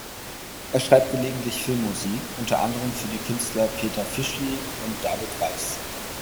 Er schreibt gelegentlich Filmmusik, unter anderem für die Künstler Peter Fischli und David Weiss.